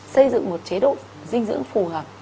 xây dựng một chế độ dinh dưỡng phù hợp